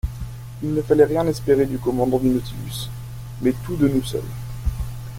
Il ne fallait rien espérer du commandant du Nautilus, mais tout de nous seuls.